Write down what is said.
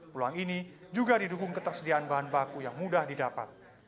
peluang ini juga didukung ketersediaan bahan baku yang mudah didapat